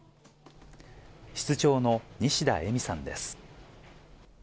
室長の西田恵美さんです。